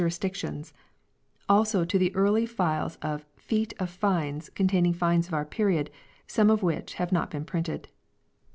264 FINANCIAL RECORDS dictions ; l also to the early files of Feet of Fines con taining fines of our period, some of which have not been printed.